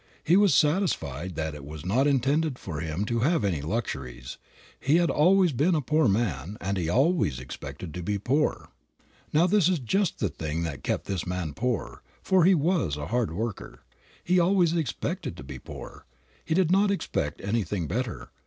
He was satisfied that it was not intended for him to have any luxuries. He had always been a poor man, and he always expected to be poor. Now, this is just the thing that kept this man poor, for he was a hard worker. He always expected to be poor. He did not expect anything better.